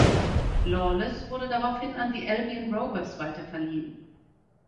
Lawless wurde daraufhin an die Albion Rovers weiterverliehen.